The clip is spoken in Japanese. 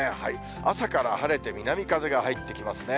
朝から晴れて、南風が入ってきますね。